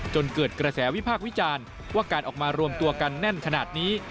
จนเกิดกระแสวิพากษ์วิจารณ์ว่าการออกมารวมตัวกันแน่นขนาดนี้